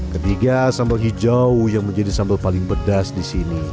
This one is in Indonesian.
ketiga sambal hijau yang menjadi sambal paling pedas disini